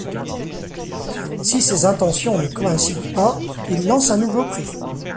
Si ces intentions ne coïncident pas, il lance un nouveau prix.